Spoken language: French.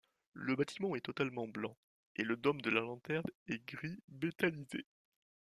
Le bâtiment est totalement blanc et le dôme de la lanterne est gris métallisé.